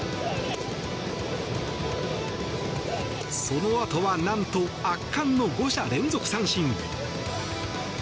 そのあとは何と圧巻の５者連続三振。